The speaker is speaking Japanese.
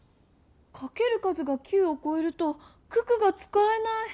かける数が９をこえると九九がつかえない！